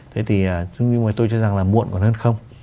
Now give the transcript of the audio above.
thế thì tôi cho rằng là muộn còn hơn không